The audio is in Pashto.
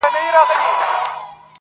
• یار ګیله من له دې بازاره وځم..